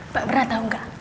pak mera tau gak